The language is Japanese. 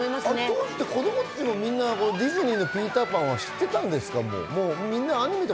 当時の子供ってみんなディズニーの『ピーターパン』は知ってたんですか？